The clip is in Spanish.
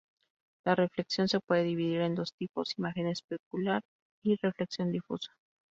La reflexión se puede dividir en dos tipos: imagen especular y reflexión difusa.